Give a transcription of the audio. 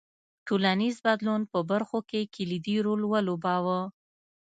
ټولنیز بدلون په برخو کې کلیدي رول ولوباوه.